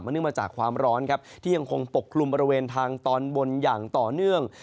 เนื่องมาจากความร้อนครับที่ยังคงปกคลุมบริเวณทางตอนบนอย่างต่อเนื่อง